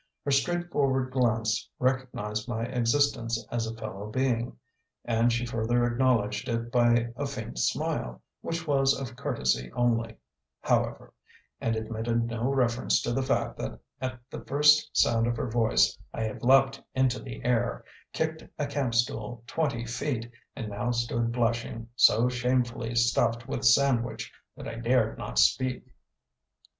Her straightforward glance recognised my existence as a fellow being; and she further acknowledged it by a faint smile, which was of courtesy only, however, and admitted no reference to the fact that at the first sound of her voice I had leaped into the air, kicked a camp stool twenty feet, and now stood blushing, so shamefully stuffed with sandwich that I dared not speak.